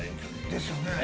◆ですよね？